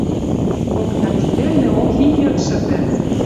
Окня вес велнӹ, ох, и йыдшы пӹц!